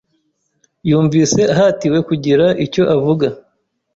yumvise ahatiwe kugira icyo avuga.